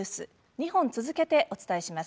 ２本続けてお伝えします。